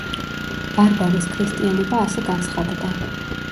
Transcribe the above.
ბარბარეს ქრისტიანობა ასე გაცხადდა.